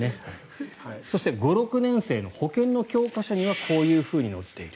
そして５、６年生の保健の教科書にはこういうふうに載っている。